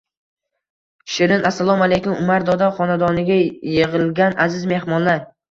Shirin: Assalomu aleykum Umar doda xonadoniga yigilgan aziz mexmonlar